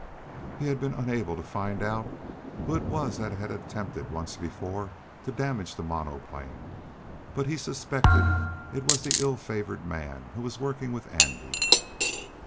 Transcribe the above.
He had been unable to find out who it was that had attempted once before to damage the monoplane, but he suspected it was the ill favored man who was working with Andy.